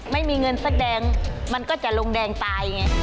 ไม่มีเงินสักแดงมันก็จะลงแดงตายไง